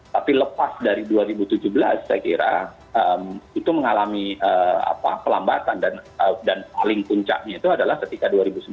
tapi lepas dari dua ribu tujuh belas saya kira itu mengalami pelambatan dan paling puncaknya itu adalah ketika dua ribu sembilan belas